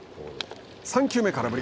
３球目、空振り。